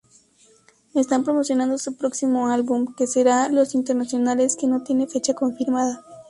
Están promocionando su próximo álbum, que será Los Internacionales, que no tiene fecha confirmada.